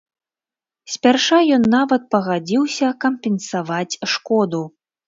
Спярша ён нават пагадзіўся кампенсаваць шкоду.